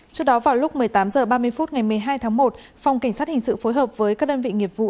trước đó vào lúc một mươi tám h ba mươi phút ngày một mươi hai tháng một phòng cảnh sát hình sự phối hợp với các đơn vị nghiệp vụ